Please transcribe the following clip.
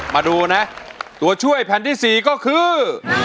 มาดูนะตัวช่วยแผ่นที่๔ก็คือ